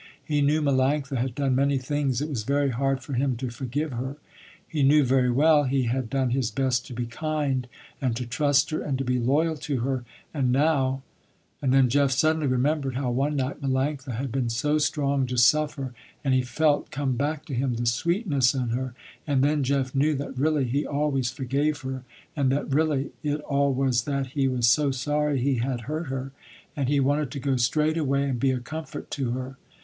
He knew Melanctha had done many things it was very hard for him to forgive her. He knew very well he had done his best to be kind, and to trust her, and to be loyal to her, and now; and then Jeff suddenly remembered how one night Melanctha had been so strong to suffer, and he felt come back to him the sweetness in her, and then Jeff knew that really, he always forgave her, and that really, it all was that he was so sorry he had hurt her, and he wanted to go straight away and be a comfort to her.